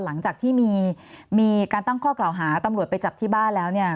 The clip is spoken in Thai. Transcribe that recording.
หลังจากที่มีการตั้งข้อกล่าวหาตำรวจไปจับที่บ้านแล้วเนี่ย